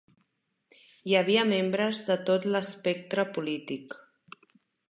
Hi havia membres de tot l'espectre polític.